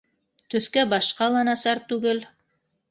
Төҫкә-башҡа ла насар түгел